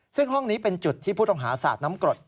ซึ่งห้องนี้เป็นจุดที่ผู้ต้องหาสาดน้ำกรด